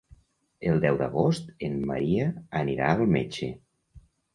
El deu d'agost en Maria anirà al metge.